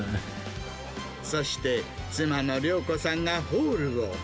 そして、妻のりょうこさんがホールを。